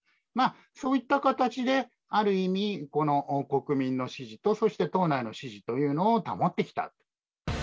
そういった形で、ある意味、この国民の支持とそして党内の支持というのを保ってきた。